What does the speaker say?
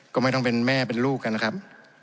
ก็ไม่ต้องเป็นแม่เป็นลูกกันนะครับ